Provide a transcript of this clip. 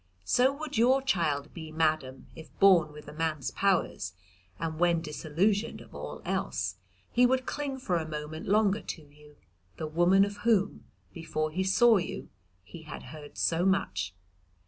So would your child be, madam, if born with a man's powers, and when disillusioned of all else, he would cling for a moment longer to you, the woman of whom, before he saw you, he had heard so much.